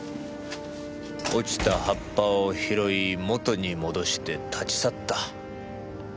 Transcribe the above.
落ちた葉っぱを拾い元に戻して立ち去った。